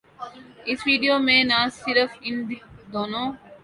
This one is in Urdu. اس ویڈیو میں نہ صرف ان دونوں